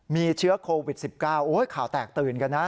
มีเชื้อโควิด๑๙โอ้ยข่าวแตกตื่นกันนะ